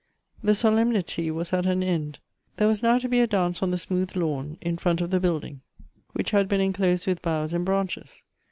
The solemnity was at an end. There was now to be a dance on the smooth lawn in front of the building, which had been en closed with boughs and branches.